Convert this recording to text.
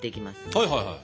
はいはいはいはい。